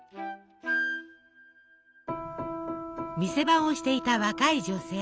店番をしていた若い女性。